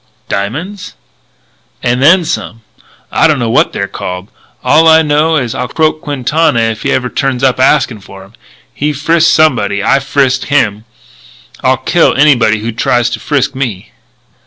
"Diamonds?" "And then some. I dunno what they're called. All I know is I'll croak Quintana if he even turns up askin' for 'em. He frisked somebody. I frisked him. I'll kill anybody who tries to frisk me."